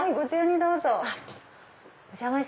どうぞ。